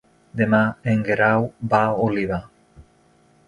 Demà en Guerau va a Oliva.